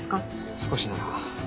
少しなら。